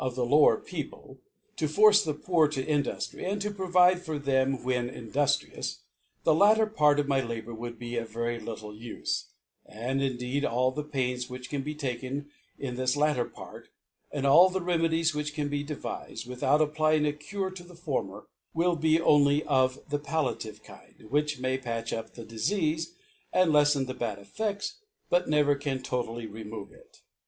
the lower People, to force the Poor to Induftry, and to provide for them when induftriouS, the latter Part of my Labour would be of Very little Ufe ; 'and indeed all the Parns which dan be taken 'in this fatter Plart, arid all the Remedies which can be devifed^ without applying a Cure to the former, will be only of the palliative Kind, which nray K 1 , patch (;«( 198 ) patch up the Difeafe, and kflen the bad Effefts, but never can totally remove it.